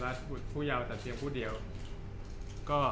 จากความไม่เข้าจันทร์ของผู้ใหญ่ของพ่อกับแม่